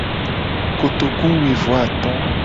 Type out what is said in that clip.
Kotoku wi vo ato.